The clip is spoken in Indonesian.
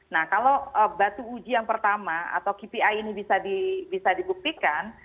nah kalau batu uji yang pertama atau kpi ini bisa dibuktikan